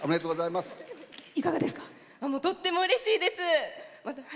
とってもうれしいです！